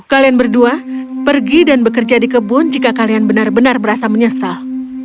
kalian berdua pergi dan bekerja di kebun jika kalian benar benar berasa menyesal